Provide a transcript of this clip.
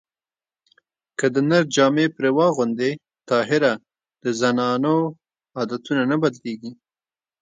که د نر جامې پرې واغوندې طاهره د زنانو عادتونه نه بدلېږي